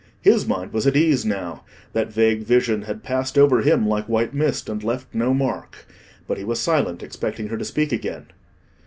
His mind was at ease now; that vague vision had passed over him like white mist, and left no mark. But he was silent, expecting her to speak again.